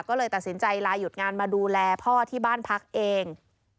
ก็เลยตัดสินใจลายุดงานมาดูแลพ่อที่บ้านพักเอง